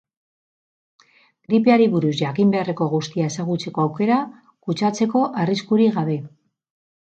Gripeari buruz jakin beharreko guztia ezagutzeko aukera, kutsatzeko arriskurik gabe.